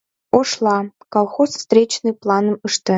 «ОШЛА» КОЛХОЗ ВСТРЕЧНЫЙ ПЛАНЫМ ЫШТЕН